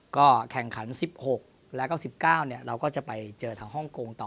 ก็แข่งขัน๑๖แล้วก็๑๙เราก็จะไปเจอทางฮ่องกงต่อ